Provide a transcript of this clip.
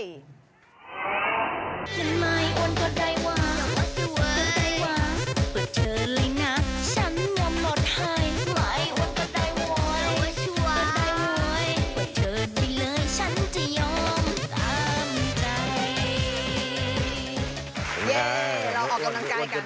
เย่เราออกกำลังกายกัน